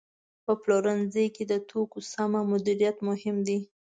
په پلورنځي کې د توکو سمه مدیریت مهم دی.